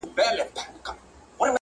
حق اخیستل شوی وي